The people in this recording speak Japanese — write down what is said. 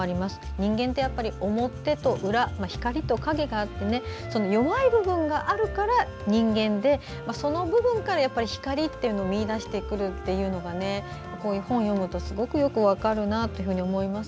人間ってやっぱり表と裏光と影があって弱い部分があるから人間でその部分から、光というものを見いだしてくるというのがこういう本を読むとすごくよく分かるなと思います。